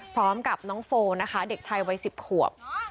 พร้อมกับน้องโฟนะคะเด็กชายวัย๑๐ขวบ